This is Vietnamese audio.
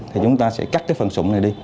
thì chúng ta sẽ cắt cái phần sụng này đi